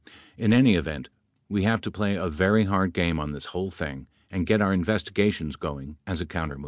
In any event, we have to play a very hard game on this whole thing and get our investigations going as a counter move.